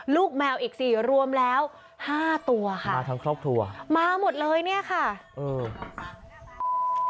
ลูกแมวอีกสี่รวมแล้วห้าตัวค่ะมาทั้งครอบครัวมาหมดเลยเนี่ยค่ะเออ